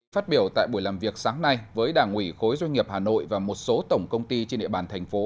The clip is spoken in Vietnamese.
phát biểu tại buổi làm việc sáng nay với đảng ủy khối doanh nghiệp hà nội và một số tổng công ty trên địa bàn thành phố